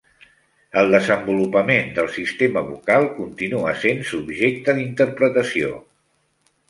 El desenvolupament del sistema vocal continua sent subjecte d'interpretació.